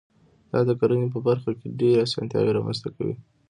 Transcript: دا د کرنې په برخه کې ډېرې اسانتیاوي رامنځته کوي.